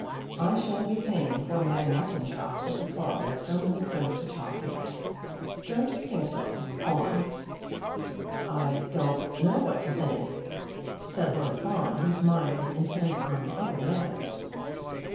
I shall be paying for my mutton chops at the club at so many quints a chop yet. Don't you think so, Fawn?" "I don't know what to think," said Lord Fawn, whose mind was intent on other matters.